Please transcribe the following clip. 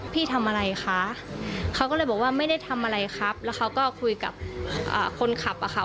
พี่ทำอะไรคะเขาก็เลยบอกว่าไม่ได้ทำอะไรครับแล้วเขาก็คุยกับคนขับอะค่ะ